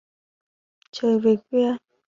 Trời về khuya